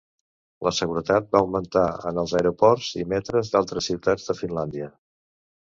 La seguretat va augmentar en els aeroports i metres d'altres ciutats de Finlàndia.